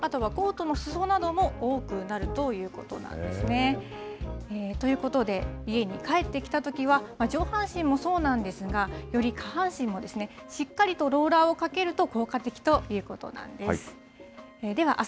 同じような理由で、ズボンのすそですとか、あとはコートのすそなども多くなるということなんですね。ということで、家に帰って来たときは、上半身もそうなんですが、より下半身もしっかりとローラーをかけると、効果的ということなんです。